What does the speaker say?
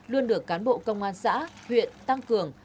luôn được cán bộ công an xã huyện tăng cường